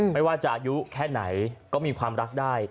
ไม่ว่าจะอายุแค่ไหนก็มีความรักได้